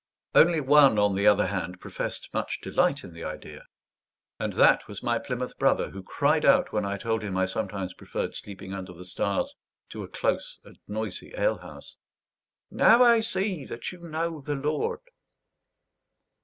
Only one, on the other hand, professed much delight in the idea; and that was my Plymouth Brother, who cried out, when I told him I sometimes preferred sleeping under the stars to a close and noisy alehouse, "Now I see that you know the Lord!"